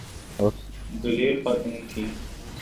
دلیر خاتون تھیں۔